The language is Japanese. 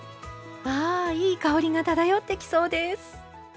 あいい香りが漂ってきそうです！